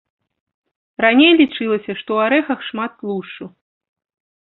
Раней лічылася, што ў арэхах шмат тлушчу.